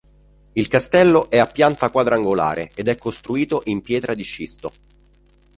Il castello è a pianta quadrangolare ed è costruito in pietra di scisto.